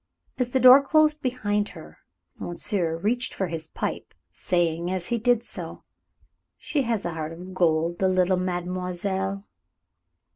As the door closed behind her, monsieur reached for his pipe, saying, as he did so, "She has a heart of gold, the little mademoiselle."